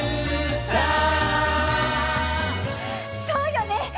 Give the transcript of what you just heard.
そうよね！